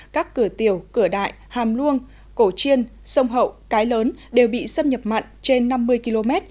các cửa tiểu cửa đại hàm luông cổ chiên sông hậu cái lớn đều bị xâm nhập mặn trên năm mươi km